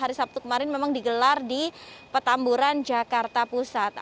hari sabtu kemarin memang digelar di petamburan jakarta pusat